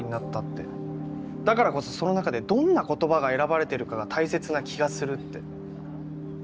だからこそその中でどんな言葉が選ばれているかが大切な気がするって。